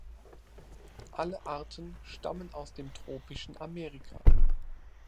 Alle Arten stammen aus dem tropischen Amerika.